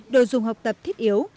đồ dùng học tập thiết yếu